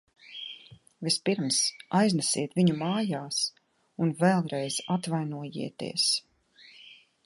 Vispirms aiznesiet viņu mājās un vēlreiz atvainojieties!